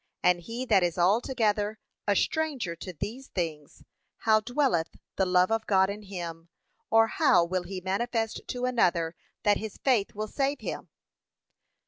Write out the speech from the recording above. And he that is altogether a stranger to these things, how dwelleth the love of God in him; or how will he manifest to another that his faith will save him?